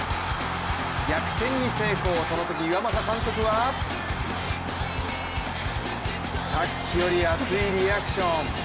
逆転に成功、そのとき岩政監督はさっきより熱いリアクション。